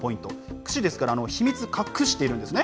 くしですから、秘密を隠してるんですね。